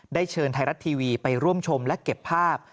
เชิญไทยรัฐทีวีไปร่วมชมและเก็บภาพ